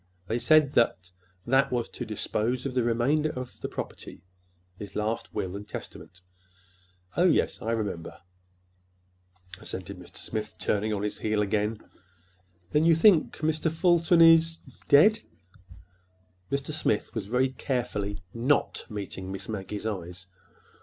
They said that that was to dispose of the remainder of the property—his last will and testament." "Oh, yes, I remember," assented Mr. Smith, turning on his heel again. "Then you think—Mr. Fulton is—dead?" Mr. Smith was very carefully not meeting Miss Maggie's eyes.